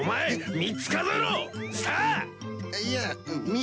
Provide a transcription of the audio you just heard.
３。